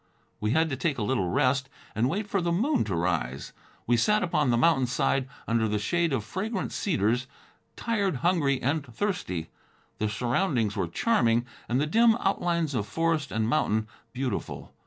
We had to take a little rest, and wait for the moon to rise. We sat upon the mountain side, under the shade of fragrant cedars, tired, hungry and thirsty. The surroundings were charming and the dim outlines of forest and mountain beautiful.